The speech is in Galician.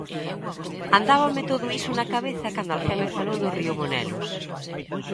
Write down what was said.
Andábame todo isto na cabeza cando alguén me falou do río Monelos.